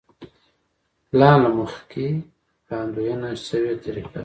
پلان له مخکې وړاندوينه شوې طریقه ده.